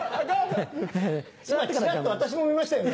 今ちらっと私も見ましたよね？